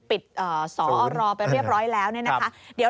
ปิดศรอรอไปเรียบร้อยแล้ว